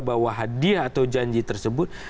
bahwa hadiah atau janji tersebut